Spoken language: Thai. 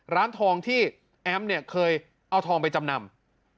ร้านทองที่แอมเนี่ยเคยเอาทองไปจำนำ